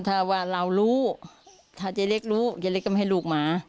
ถ้าเราดูถ้าจะเรียกดูจะเรียกกับให้ลูกมัน